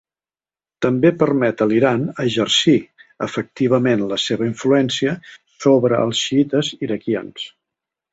També permet a l'Iran exercir efectivament la seva influència sobre els xiïtes iraquians.